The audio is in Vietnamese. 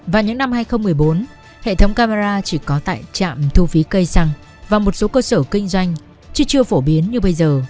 và những năm hai nghìn một mươi bốn hệ thống camera chỉ có tại trạm thu phí cây xăng và một số cơ sở kinh doanh chưa phổ biến như bây giờ